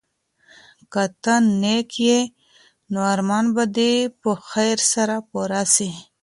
که ته نېک یې نو ارمان به دي په خیر سره پوره سي.